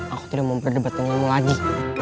aku tidak mau berdebat denganmu lagi